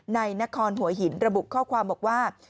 ในนครหัวหินระบุข้อความบอกว่า